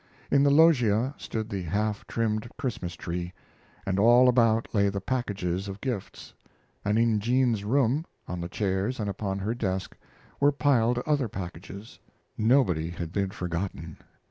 In the loggia stood the half trimmed Christmas tree, and all about lay the packages of gifts, and in Jean's room, on the chairs and upon her desk, were piled other packages. Nobody had been forgotten.